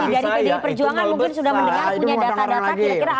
jadi dari pendiri perjuangan mungkin sudah mendengar punya data data kira kira apa